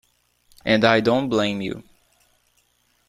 And I don't blame you.